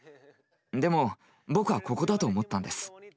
でも僕はここだと思ったんです。